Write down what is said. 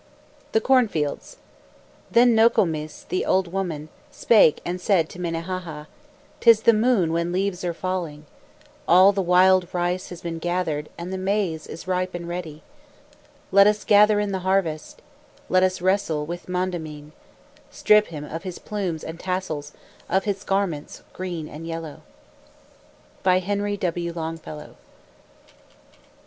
THE CORNFIELDS Then Nokomis, the old woman, Spake and said to Minnehaha, "'Tis the Moon when leaves are falling; All the wild rice has been gathered, And the maize is ripe and ready, Let us gather in the harvest, Let us wrestle with Mondamin, Strip him of his plumes and tassels, Of his garments, green and yellow." HENRY W. LONGFELLOW.